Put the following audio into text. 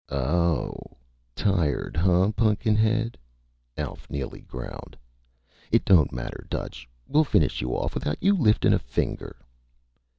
"Oh tired, hunh, Pun'kin head?" Alf Neely growled. "It don't matter, Dutch. We'll finish you off without you liftin' a finger!"